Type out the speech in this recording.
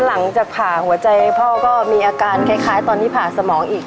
หลังจากผ่าหัวใจพ่อก็มีอาการคล้ายตอนที่ผ่าสมองอีก